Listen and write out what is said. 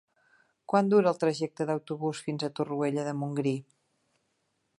Quant dura el trajecte en autobús fins a Torroella de Montgrí?